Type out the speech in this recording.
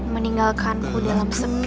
meninggalkanku dalam sepi